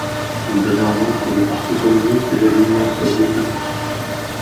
Il devint membre du Parti communiste de l'Union soviétique.